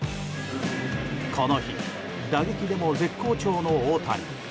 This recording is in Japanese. この日、打撃でも絶好調の大谷。